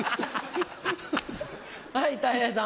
はいたい平さん。